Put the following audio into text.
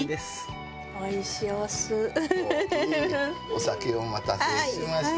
お酒お待たせしました。